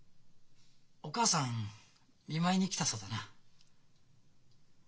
お母さん見舞いに来たそうだな。